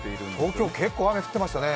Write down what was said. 東京結構雨降ってましたね。